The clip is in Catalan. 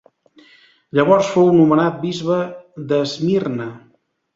Llavors fou nomenat bisbe d'Esmirna.